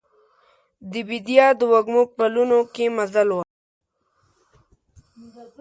د بیدیا د وږمو پلونو کې مزل وم